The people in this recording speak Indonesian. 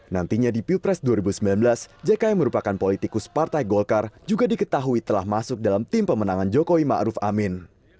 nantinya di pilpres dua ribu sembilan belas jk yang merupakan politikus partai golkar juga diketahui telah masuk dalam tim pemenangan jokowi ⁇ maruf ⁇ amin